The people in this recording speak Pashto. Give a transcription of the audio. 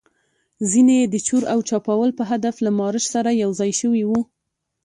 ځینې يې د چور او چپاول په هدف له مارش سره یوځای شوي وو.